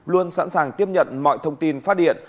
luôn sẵn sàng tiếp nhận mọi thông tin phát điện